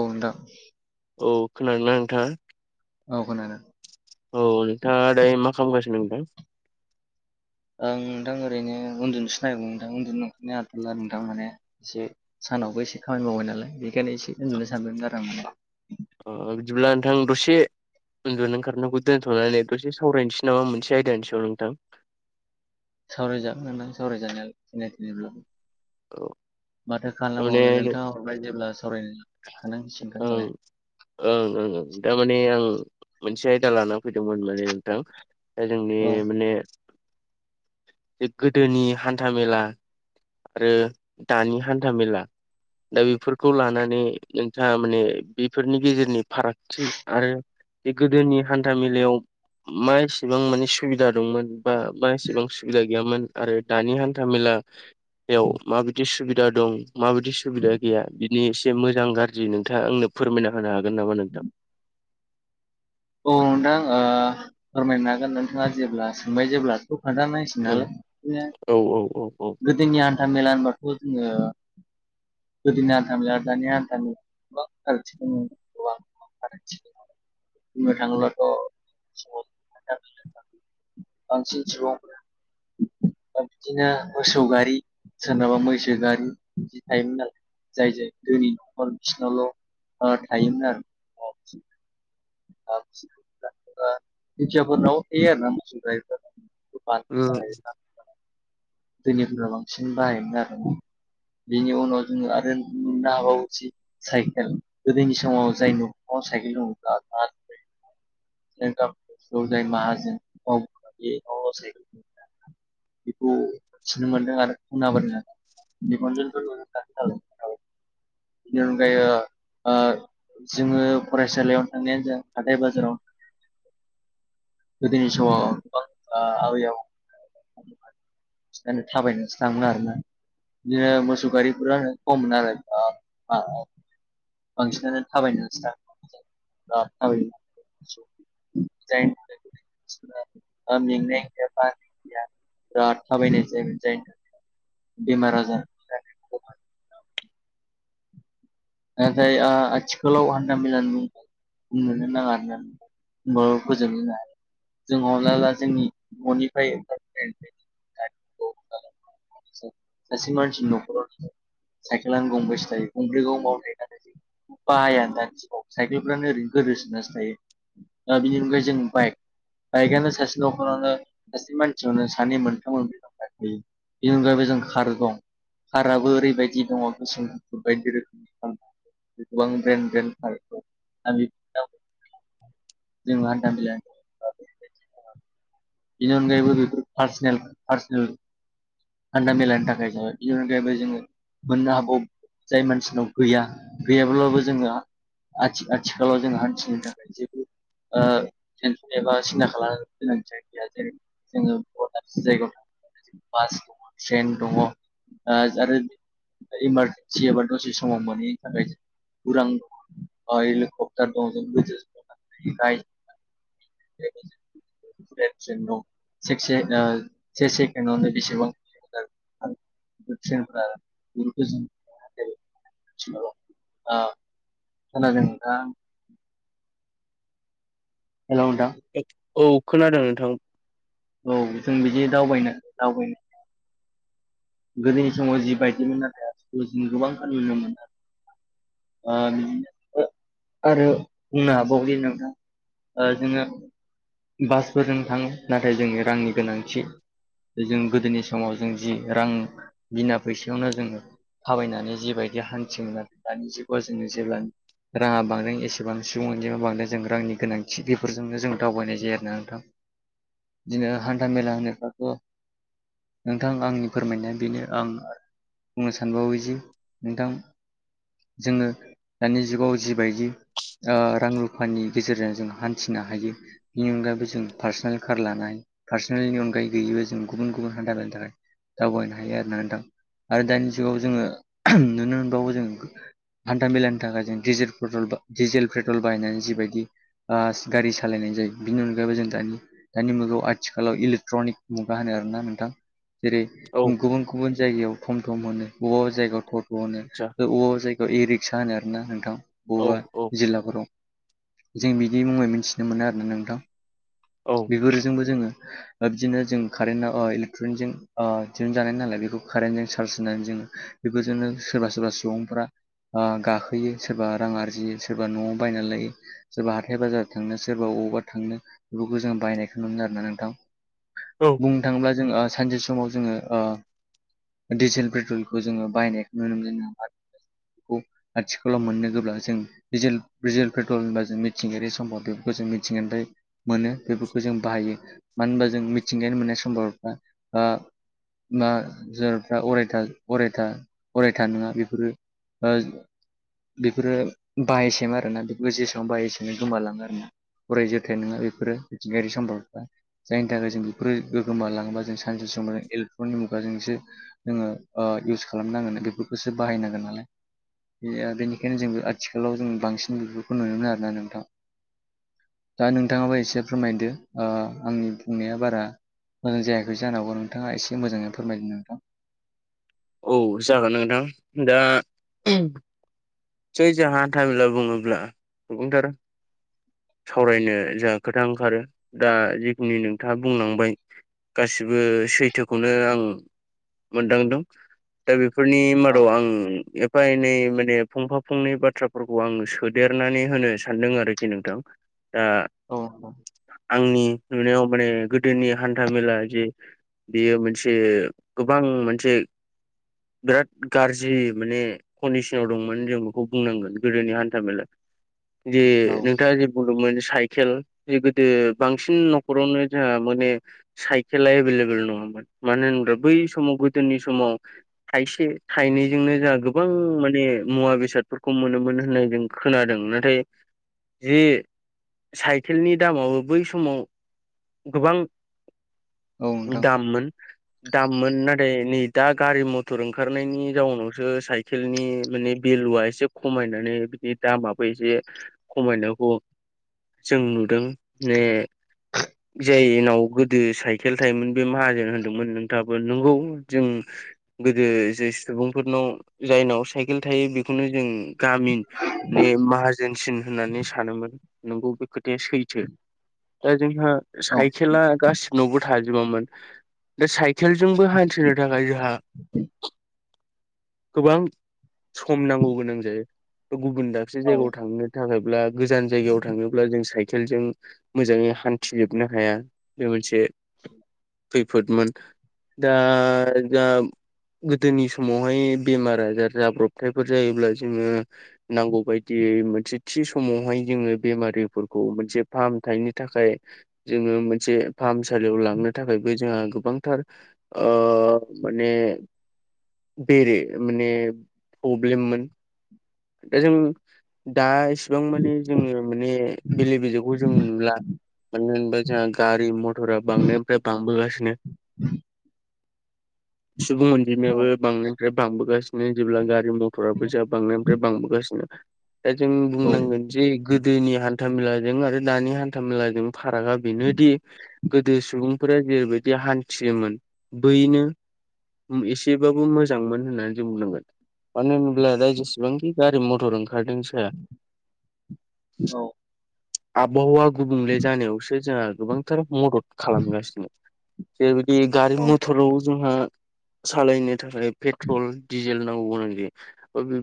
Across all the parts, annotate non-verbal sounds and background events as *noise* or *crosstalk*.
औ नोंथां औ खोनादों ना नोंथाङा औ खोनादों। औ नोंथाङा दायो मा खालामगासिनो नोंथां? ओं नोंथां ओरैनो उन्दुनोसोनायगौ नोंथां उन्दु ओंखारया हाथाला नोंथां माने एसे सानावबो एसे खामानि मावबाय नालाय बेखायनो एसे उन्दुनो सानबायमोन आरो आं माने अ बिदिब्ला नोंथां दसे उन्दुनो ओंखारनांखौ दोन्थ'नानै दसे सावरायनोसै नामा मोनसे आयदानि सायाव नोंथां? सावरायजागोन नोंथां सावरायजानाया जेने थेनेल्बाबो औ माथो थारमाने खालामबावनो नोंथाङा हरबाय जेब्ला सावरायनो खाननांसिगोन ओं नालाय ओं ओंओं दारमाने आं मोनसे आयदा लाना फैदोंमोन माने नोंथां द जोंनि औ माने गोदोनि हान्था मेला आरो दानि हान्था मेला दा बेफोरखौ लानानै नोंथाङा माने बेफोरनि गेजेरनि फारागथि आरो बे गोदोनि हान्था मेलायाव मा एसेबां माने सुबिदा दंमोन बा मा एसेबां सुबिदा गैयामोन आरो दानि हान्था मेला याव माबायदि सुबिदा दं माबायदि सुबिदा गैया बिनिस मोजां गाज्रि नोंथाङा आंनो फोरमायना होनो हागोन नामा नोंथां। औ नोंथां ओ फोरमायनो हागोन नोंथाङा जेब्ला सोंबाय जेब्ला थ' *unintelligible* उम औ औ औ औ *unintelligible* गोदोनि हान्था मेला होनबाथ' जोङो गोदिनि हान्थामेला दानि हान्थामेला गोबां फारागथि दं *unintelligible* बुंनो थाङोब्लाथ' *unintelligible* बांसिन सुबुं बिदिनो मोसौ गारि सोरनाबा मैसो गारि बिदि थायोमोन आरो। जाय - जाय धोनि नखर बिसिनावल' ओ थायोमोन आरो। *unintelligible* थायो आरो ना मोसौ गारिफोर। *unintelligible* धोनिफोरा बांसिन बाहायोमोन आरो। बेनि उनाव जोङो आरो *unintelligible* साइकेल गोदोनि समाव जाय नखराव साइकेल दङब्ला *unintelligible* *unintelligible* जाय माहाजोन *unintelligible* बेखौ सोननो मोनदों आरो खोनाबोदों। *unintelligible* बेनि अनगायै ओ जोङो फरायसालियाव थांनायानो जा हाथाय बाजाराव गोदोनि समाव गोबां आ आबै आबौ *unintelligible* थाबायनानैसो थाङोमोन आरो ना। बिदिनो मसौगारिफोरा खमनालाय *unintelligible* बांसिनानो थाबायनानैसो थाङोमोन जों *unintelligible* जायनि थाखाय *unintelligible* मेंनाय गैया बानाय गैया बिराद थाबायनाय जायोमोन जायनि थाखाय बेमार आजार आ जाय आ आथिखालाव हान्था मेलानि *unintelligible* बुंनोनो नाङा आरो ना। बो गोजोन होनाय जों हमनाला जोंनि न'निफ्राय *unintelligible* *unintelligible* सासे मानसिनि न'खराव साइकेलानो गंबसे थायो गंब्रै गंबा बाहाया दानि जुगाव साइकेलफ्रानो ओरैनो गोदोसोनासो थायो। दा बिनि अनगायै जों बाइक बाइकआनो सासे न'खरावनो सासे मानसियावनो सानै मोनथाम मोनब्रै *unintelligible* बेनि अनगायैबो जों खार दं खाराबो ओरैबायदि दङ गुसुम गुफुर बायदि रोखोम बेसेबां ब्रेन-ब्रेन *unintelligible* जों हान्थामेला *unintelligible* बेनि अनगायैबो बेफोर पार्सनेल-पार्सनेल हान्दा मेलानि थाखाय जोङो आंनि अनगायैबो जोङो मोननो हाबावो जाय मानसिनाव गैया गैयाब्लाबो जोंहा आथिं आथिखालाव जों हान्थिनो थाखाय जेबो ओ मेनसन एबा सिन्था खाला गोनांथि गैया जेरै जोङो बवा दाबसे जायगा थां बास दङ ट्रेन दङ ओ आरो इमारजेनसि एबा दसे सम समाव मोनैनि थाखाय उरां अ हेलिकप्टार दं *unintelligible* *unintelligible* *unintelligible* न सेकसे ओ से सेकेण्डावनो बेसेबां किल' मिटार खारो। *unintelligible* खोनादों नोंथाङा। हेलौ नोंथां। *unintelligible* औ खोनादों नोंथां। औ जों बिदि दावबायनो दावबायनो गोदोनि समाव जिबायदिमोन नाथाय आथिखालाव गोबां फालिनाय नुनो मोनो आरो। ओ बिदिनो ओ आरो बुंनो हाबावोदि नोंथां ओ जोङो बासफोरजों थाङो नाथाय जोंनो रांनि गोनांथि। जों गोदोनि समाव जों जि रां बिना फैसायावनो जोङो थाबायनानै जिबायदि हान्थियोमोन दानि जुगाव जोङो जेब्ला राङा बांदों एसेबांनो सुबुं अनजिमाया बांदों जों रांनि गोनांथि बेफोरजोंनो जों दावबायनाय जायो आरो ना नोंथां। *inaudible* बिदिनो हान्था मेला होनोबाथ' नोंथां आंनि फोरमायनाया बेनो आं बुंनो सानबावोजि नोंथां जोङो दानि जुगाव जिबायदि ओ रां रुफानि गेजेरजों जों हान्थिनो हायो बेनि अनगायैबो जों पार्सनेल कार लानाय, पार्सनेलनि अनगायै गैयैबो जों गुबुन गुबुन हान्था मेलानि थाखाय दावबायनो हायो आरो ना नोंथां आरो दानि जुगाव जोङो नुनो मोनबावो जों हान्था मेलानि थाखाय जों डिजेल पेट्रल डिजेल पेट्रल बाहायनानै जिबायदि ओ गारि सालायनाय जायो बिनि अनगायैबो जों दानि दानि मुगायाव आथिखालाव इलेकट्रनिक मुगा होनो आरोना नोंथां। जेरै औ गुबुन गुबुन जायगायाव थम थम होनो बबा जायगायाव थ थ' होनो आदसा बबा जायगायाव इ रिक्सा होनो आरोना नोंथां औ बबेबा औ जिल्लाफोराव। जों बिनि मुङै मिथिनो मोनो आरोना नोंथां। औ बेफोर जोंबो जोङो ओ बिदिनो जों कारेन्ट ओ इलेकट्रनिकजों ओ दिहुन जानाय नालाय बेखौ कारेन्टजों चार्ज होनानै जोङो बेफोरजोंनो सोरबा सोरबा सुबुंफोरा ओ गाखोयो सोरबा रां आरजियो सोरबा न'आव बायनानै लायो। सोरबा हाथाइ बाजार थांनो सोरबा अबावबा थांनो बेफोरखौ जों बायनायखौ नुनो मोनो आरोना नोंथां। औ बुंनो थाङोब्ला जोङो सानसे समाव जोङो ओ डिजेल पेट्रलखौ जोङो बाहायनायखौ नुनो मोननाय नङा। आथिखालाव मोननो गोब्ला जों डिजेल डिजेल पेट्रल होनबा जों मिथिंगायारि सम्पद बेफोरखौ जों मिथिंगानिफ्राय मोनो बेफोरखौ जों बाहायो मानो होनबा जों मिथिंगानि मोननाय सम्पदफ्रा ओ *unintelligible* अरायथा अरायथा अरायथा नङा बेफोरो ओ बेफोरो बाहाय सेम आरोना बेफोरखौ जेसेबां बाहायो एसेनो गोमालाङो आरो ना। अराय जोरथाय नङा बेफोरो मिथिंगायारि सम्पदफ्रा जायनि थाखाय जों बेफोरो गो-गोमालाङोबा जों सानसे समायाव इलेक्ट्र'निक मुगाजोंसो जोङो ओ इउस खालामनांगोन बेफोरखौसो बाहायनांगोन नालाय। बे ओ बेनिखायनो जोंबो आथिखालाव जों बांसिन बेफोरखौ नुनो मोनो आरोना नोंथां। दा नोंथाङाबो एसे फोरमायदो ओ आंनि बुंनाया बारा मोजां जायाखै। बे जानोहागौ आरो नोंथांङा एसे मोजाङै फोरमायदों नोंथां। औ जागोन नोंथां दा जै जोंहा हान्थामेला बुङोब्ला गुबुंथार सावरायनो जाहा खोथा ओंखारो दा जिखिनि नोंथाङा बुंलांबाय गासिबो सैथोखौनो आं मोनदांदों। दा बेफोरनि औ मादाव आं एफा एनै माने फंफा फंनै बाथ्राफोरखौ आं सोदेरनानै होनो सानदों आरोखि नोंथां दा अ अ। आंनि नुनायाव माने गोदोनि हान्थामेला जि बेयो मोनसे गोबां मोनसे बिराद गारजि माने कन्दिसनाव दंमोन जों बेखौ बुंनांगोन गोदोनि हान्था मेला जे औ नोंथाङा जे बुंदोंमोन जे साइकेल बे गोदो बांसिन न'खरावनो जोंहा माने साइकेला एभेलेबल नङामोन मानो होनोब्ला बै समाव गोदोनि समाव थाइसे थाइनैजोंनो जोंहा गोबां माने। मुवा बेसादफोरखौ मोनोमोन होननाय जों खोनादों नाथाय जे साइकेलनि दामावो बै समाव। गोबां औ नोंथां दाममोन। दाममोन नाथाय नै दा गारि मथर ओंखारनायनि जाउनावसो साइकेलनि माने। बेेलुआ एसे खमायनानै बिनि दामाबो एसे खमायनांगौ जों नुदों ने जायनाव गोदो साइकेल थायोमोन बे माहाजोन होनदोंमोन नोंथाङाबो नोंगौ जों। गोदो जे सुबुंफोरनाव जायनाव साइकेल थायो बेखौनो जों गामि मने माहाजोनसिन होननानै सानोमोन नोंगौ बे खोथाया सैथो। दा जोंहा औ साइखेला गाससिबो। न'बो थाजोबामोन दा साइकेलजोंबो हान्थिनो थाखाय जोंहा। गोबां सम नांगौ गोनां जायो गुबुन दाबसे औ जायगायाव थांनो। थाखायब्ला गोजान जायगायाव थाङोब्ला जों साइकेलजों। मोजाङै हान्थिजोबनो हाया बे मोनसे खैफोदमोन। दा जों गोदोनि समावहाय बेमार आजार। जाब्रबथायफोर जायोब्ला जोङो। नांगौबायायदियै मोनसे थि समावहाय जोङो बेमारिफोरखौ मोनसे फाहामथायनि थाखाय। जोङो मोनसे फाहामसालियाव लांनो थाखायबो जोंहा गोबांथार ओ माने बेेरे माने प्रब्लेममोन दा जों दा इसेबां माने जोङो माने। बेले बेजेखौ जों नुला मानो होना जोंहा गारि मथरा बांनायनिफ्राय बांबोगासिनो। सुबुं औ अनजिमायाबो बांनायनिफ्राय बांबोगासिनो जेब्ला गारि मथरा फैसा बांनायनिफ्राय बांबोगासिनो दा जों बुंनांगोन। जे गोदोनि हान्थाामेलाजों आरो दानि हान्था मेलाजों फारागा बेनोदि। गोदो सुबुंफोरा जेरैबायदि हान्थियोमोन बैनो। एसेबाबो मोजांमोन होननानै जों बुंनांगोन मानो होनोब्ला दा जेसेबांखि गारि मथर ओंखारदोंसो। औ आबहावा गुबुंले जानायावसो जोंहा गोबांथार मदद खालामगासिनो। जेरैबायदि गारि औ मथराव जोंहा सालायनो थाखाय पेट्रल दि जेल नांगौ गौनां जायो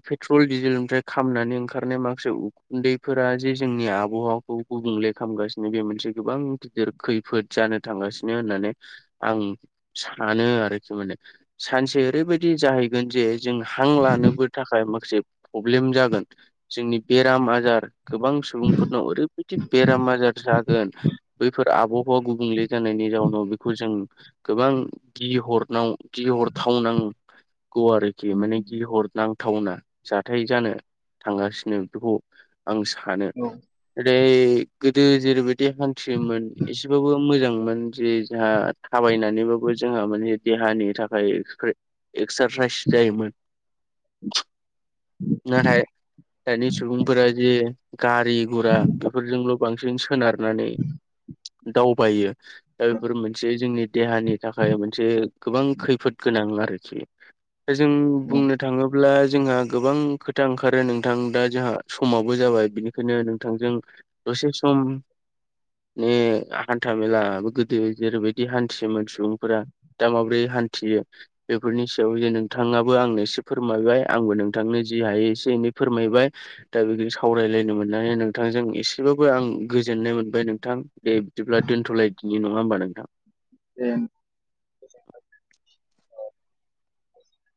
पेट्रल डिजेलनिफ्राय खामनानै ओंखारनाय माखासे उखुन्दैफोरा जे जोंनि आबहावाखौ। गुबुंले खामगासिनो बे मोनसे गोबां गिदिर खैफोद जानो थांगासिनो होननानै। आं सानो आरोखि माने सानसे ओरैबायदि जाहैगोन जे। जों हां लानोबो थाखाय माखासे प्रब्लेम जागोन जोंनि बेराम आजार। गोबां सुबुंफोरनाव ओरैबायदि बेराम आजार जागोन। बैफोर आबहावा गुबुंले जानायनि जाउनाव बेखौ जों गोबां गि हरनाव गि हरथावनांगौ आरो खि माने गिहर नांथावना जाथाय जानो थांगासिनो बेखौ। आं सानो ओरै गोदो जेरैबायदि। देहानथियोमोन एसेबाबो मोजांमोन जे। जोंहा थाबायनानैबाबो जोंहा माने देहानि थाखाय एक्सा एक्सारसाइस। जायमोन। नाथाय दानि सुबुंफोरा जे गारि गुरा बेफोरजोंल' बांसिन सोनारनानै दावबायो। दा बेफोर मोनसे जोंनि देहानि थाखाय मोनसे गोबां खैफोद गोनां आरोखि। जों औ बुंनो थाङोब्ला जोंहा। गोबां खोथा ओंखारो नोंथां दा जोंहा समाबो जाबाय बिनिखायनो नोंथांजों दसे सम ने हान्था मेलाो गोदो जेरैबायदि हान्थियोमोन सुबुंफोरा दा माबोरै हान्थियो बेफोरनि सायाव जे नोंथाङाबो आंनो एसे फोरमायबाय आंबो नों थांनो जि हायो एसे एनै फोरमायबाय दा बेखौ सावरायलायनो मोननानै नोंथांजों एसेबाबो आं गोजोननाय मोनबाय नोंथां दे बिदिब्ला दोनथ'लायदि नङा होमबा नोंथां? ए